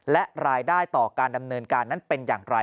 และรายได้ต่อการดำเนินการนั้นเป็นอย่างไร